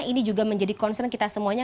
ini juga menjadi concern kita semuanya